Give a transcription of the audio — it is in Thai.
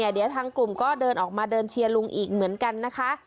เดี๋ยวทางกลุ่มก็เดินออกมาเดินเชียร์ลุงอีกเหมือนกันนะคะ